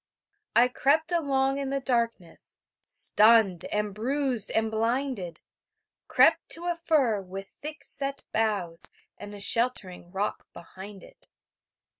I crept along in the darkness, Stunned and bruised and blinded... Crept to a fir with thick set boughs, And a sheltering rock behind it.